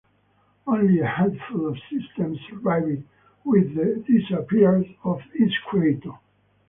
Only a handful of systems survived with the disappearance of its creator.